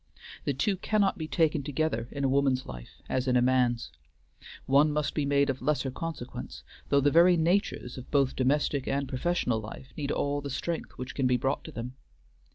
The two cannot be taken together in a woman's life as in a man's. One must be made of lesser consequence, though the very natures of both domestic and professional life need all the strength which can be brought to them.